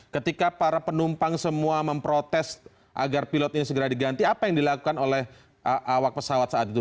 ketika para penumpang semua memprotes agar pilot ini segera diganti apa yang dilakukan oleh awak pesawat saat itu